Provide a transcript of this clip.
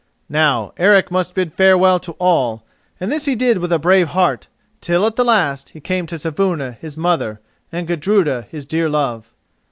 Now Eric must bid farewell to all, and this he did with a brave heart till at the last he came to Saevuna, his mother, and Gudruda, his dear love.